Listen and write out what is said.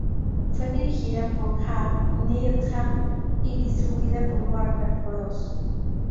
Fue dirigida por Hal Needham y distribuida por Warner Bros.